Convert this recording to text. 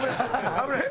危ない！